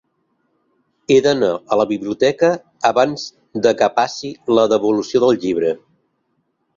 He d"anar a la biblioteca abans de que passi la devolució del llibre.